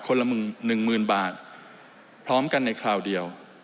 คนละ๑๐๐๐๐บาทพร้อมกันในคราวเดียว